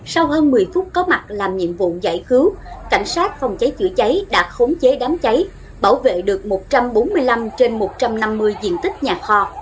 sau hơn một mươi phút có mặt làm nhiệm vụ giải cứu cảnh sát phòng cháy chữa cháy đã khống chế đám cháy bảo vệ được một trăm bốn mươi năm trên một trăm năm mươi diện tích nhà kho